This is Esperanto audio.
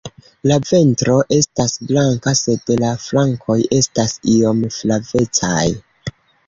La ventro estas blanka sed la flankoj estas iom flavecaj.